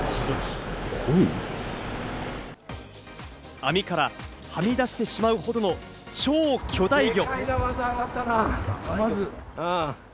網からはみ出してしまうほどの超巨大魚。